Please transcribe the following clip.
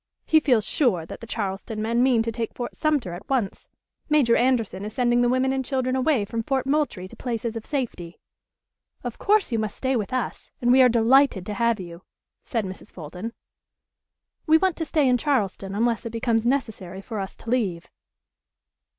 "He feels sure that the Charleston men mean to take Fort Sumter at once. Major Anderson is sending the women and children away from Fort Moultrie to places of safety." "Of course you must stay with us, and we are delighted to have you," said Mrs. Fulton. "We want to stay in Charleston unless it becomes necessary for us to leave."